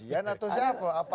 yan atau siapa